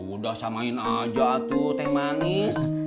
udah samain aja tuh teh manis